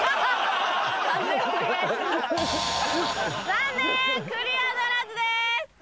残念クリアならずです。